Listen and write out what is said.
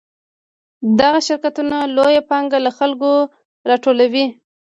دغه شرکتونه لویه پانګه له خلکو راټولوي